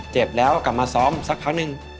เจ็บแล้วกลับมาซ้อมสักครั้งหนึ่ง